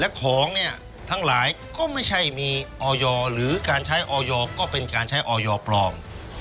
และของเนี่ยทั้งหลายก็ไม่ใช่มีออยหรือการใช้ออยก็เป็นการใช้ออยปลอม